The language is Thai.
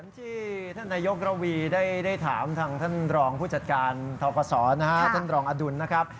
ที่ท่านนายกระวีได้ถามทางท่านรองผู้จัดการทกศท่านรองอดุลนะครับ